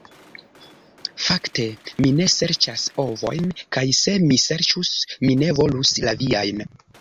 "Fakte, mi ne serĉas ovojn; kaj se mi serĉus, mi ne volus la viajn.